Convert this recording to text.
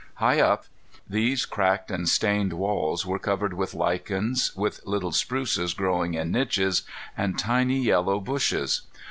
High up these cracked and stained walls were covered with lichens, with little spruces growing in niches, and tiny yellow bushes.